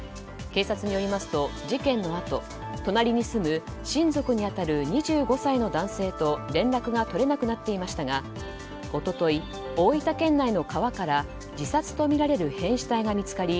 警察によりますと事件のあと、隣に住む親族に当たる２５歳の男性と連絡が取れなくなっていましたが一昨日、大分県内の川から自殺とみられる変死体が見つかり